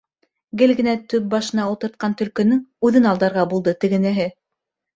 Гел генә төп башына ултыртҡан Төлкөнөң үҙен алдарға булды тегенеһе.